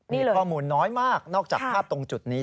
มีความรู้เนินน้อยมากนอกจากว่าภาพตรงจุดนี้